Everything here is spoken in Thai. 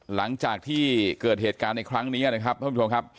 หลังจากที่เกิดเหตุการณ์ในครั้งนี้นะครับ